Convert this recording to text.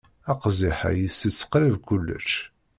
Aqziḥ-a itett qrib kullec.